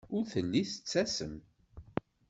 Ur telli tettasem.